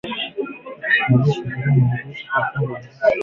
Wanajeshi wa Ukraine wadhibithi miji kadhaa na kurusha kombora Urusi